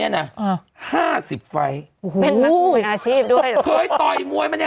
อ้าวโอ้ย